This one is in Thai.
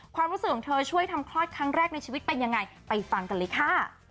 ความรู้สึกของเธอช่วยทำคลอดครั้งแรกในชีวิตเป็นยังไงไปฟังกันเลยค่ะ